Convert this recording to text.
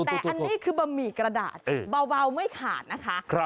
แต่อันนี้คือบะหมี่กระดาษเบาไม่ขาดนะคะ